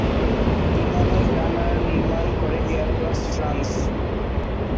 বিমানের ডানার নির্মান করে এয়ারবাস ফ্রান্স।